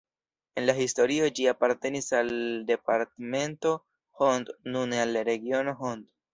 En la historio ĝi apartenis al departemento Hont, nune al regiono Hont.